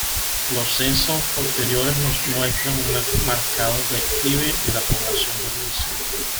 Los censos posteriores nos muestran un marcado declive de la población del municipio.